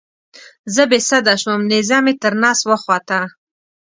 زه بې سده شوم نیزه مې تر نس وخوته.